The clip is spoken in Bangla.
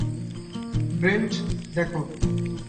ব্রেন্ট, দেখো!